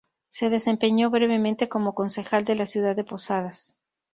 Se desempeñó brevemente como concejal de la ciudad de Posadas.